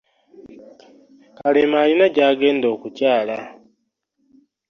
Kalema alina gyagenda okukyala.